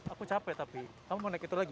aku capek tapi kamu mau naik itu lagi